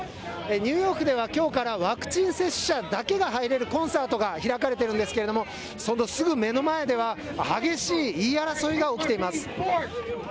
ニューヨークではきょうからワクチン接種者だけが入れるコンサートが開かれているんですけれども、そのすぐ目の前では、激しい言い争いが起きています。